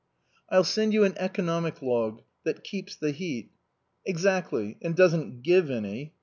" I'll send you an economic log *— that keeps the heat." " Exactly, and doesn't give any."